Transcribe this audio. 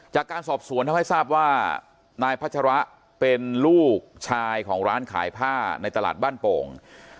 จากการสอบสวนทำให้ทราบว่านายพัชระเป็นลูกชายของร้านขายผ้าในตลาดบ้านโป่ง